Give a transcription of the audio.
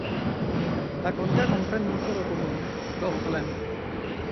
La contea comprende un solo comune, Gotland.